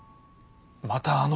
またあの